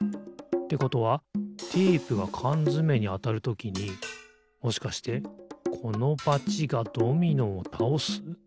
ってことはテープがかんづめにあたるときにもしかしてこのバチがドミノをたおす？